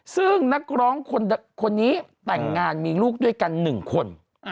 ซึ่งนักร้องคนนี้แต่งงานมีลูกด้วยกัน๑คน